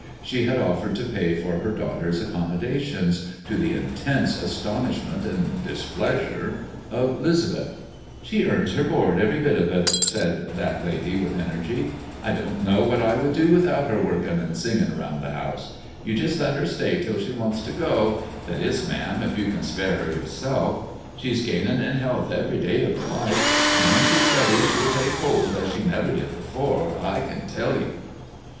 She had offered to pay for her daughter's accommodations, to the intense astonishment and displeasure of 'Lisbeth. "She earns her board, every bit of it," said that lady with energy. "I don't know what I should do without her workin' and singin' round the house. You jest let her stay till she wants to go, that is, ma'am, if you can spare her yourself. She's gainin' in health every day of her life, and when she's ready she'll take hold as she never did before, I can tell you."